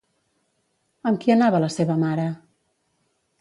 Amb qui anava la seva mare?